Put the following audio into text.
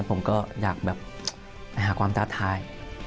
ผมก็อยากแบบไปหาความท้าทาย